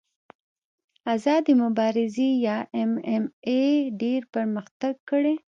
آزادې مبارزې یا ایم ایم اې ډېر پرمختګ کړی.